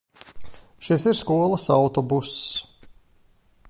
Šis ir skolas autobuss.